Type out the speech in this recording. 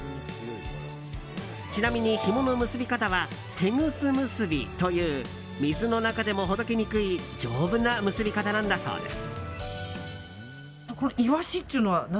ちなみに、ひもの結び方はテグス結びという水の中でもほどけにくい丈夫な結び方なんだそうです。